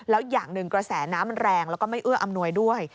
แล้วอย่างหนึ่งกระแสน้ำมันแรงแล้วก็ไม่เอื้ออำนวยด้วย